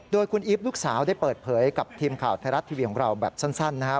โดยคุณอีฟลูกสาวได้เปิดเผยกับทีมข่าวไทยรัฐทีวีของเราแบบสั้นนะครับ